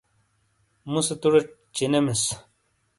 مُوسے توڑے چِینےمِیس۔